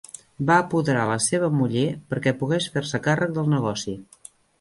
Va apoderar la seva muller perquè pogués fer-se càrrec del negoci.